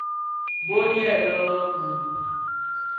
Bòl yêê lôlôo bum.